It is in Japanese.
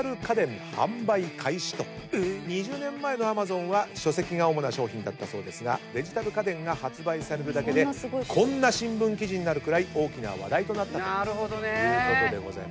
２０年前のＡｍａｚｏｎは書籍が主な商品だったそうですがデジタル家電が発売されるだけでこんな新聞記事になるくらい大きな話題となったということでございます。